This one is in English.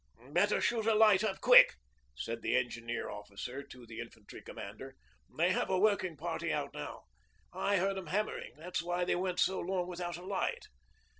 'Better shoot a light up quick,' said the Engineer officer to the infantry commander. 'They have a working party out now. I heard 'em hammering. That's why they went so long without a light.'